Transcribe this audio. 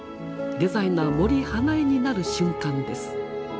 デザイナー森英恵になる瞬間です。